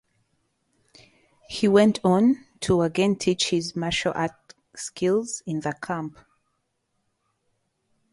He went on to again teach his martial art skills in the camp.